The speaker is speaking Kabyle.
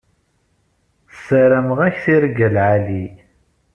Ssarameɣ-ak tirga n lɛali.